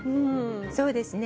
そうですね